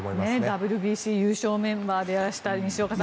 ＷＢＣ優勝メンバーでいらした西岡さん。